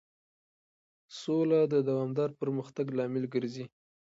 سوله د دوامدار پرمختګ لامل ګرځي.